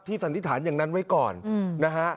สันนิษฐานอย่างนั้นไว้ก่อนนะฮะ